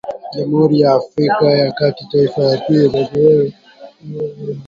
Jamhuri ya Afrika ya kati taifa la pili kwa maendeleo duni duniani